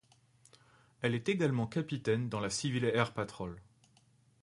Elle est également capitaine dans la Civil Air Patrol.